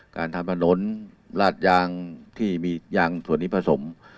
การทำถนนลาดยางที่มียางส่วนนี้ผสม